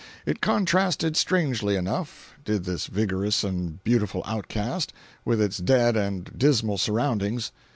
It contrasted strangely enough, did this vigorous and beautiful outcast, with its dead and dismal surroundings.